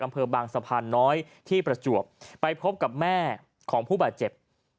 อำเภอบางสะพานน้อยที่ประจวบไปพบกับแม่ของผู้บาดเจ็บ